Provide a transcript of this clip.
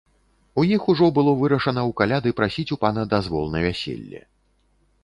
У іх ужо было вырашана ў каляды прасіць у пана дазвол на вяселле.